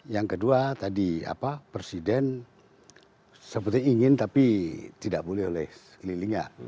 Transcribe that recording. yang kedua tadi presiden seperti ingin tapi tidak boleh oleh sekelilingnya